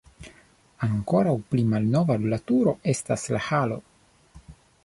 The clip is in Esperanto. Ankoraŭ pli malnova ol la turo estas la halo.